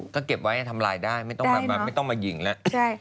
ก็เก็บไว้ทำลายได้ไม่ต้องมายิงแล้ว